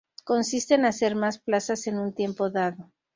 Consiste en hacer más plazas en un tiempo dado.